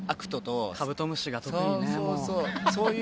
そういう。